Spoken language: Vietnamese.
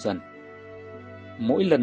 mỗi lần dùng cà tím cà tím sẽ có thể dễ dàng